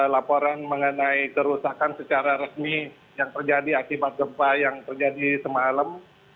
laporan mengenai kerusakan secara resmi yang terjadi akibat gempa yang terjadi semalam